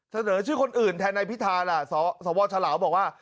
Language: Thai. เสนอชื่อคนอื่นแทนนายพิธาล่ะสวฉลาวบอกว่า